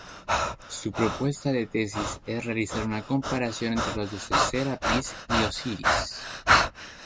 Su propuesta de tesis es realizar una comparación entre los dioses Serapis y Osiris.